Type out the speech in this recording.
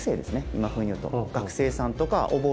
今風に言うと。